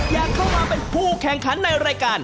อยากเข้ามาเป็นผู้แข่งขันในรายการ